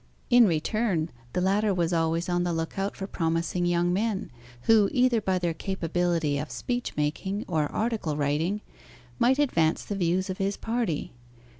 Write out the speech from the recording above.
In return, the latter was always on the look out for promising young men, who, either by their capability of speech making or article writing, might advance the views of his party.